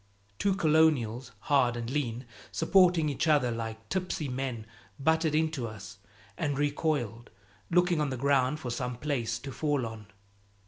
Two Colonials, hard and lean, supporting each other like tipsy men, butted into us and recoiled, looking on the ground for some place to fall on.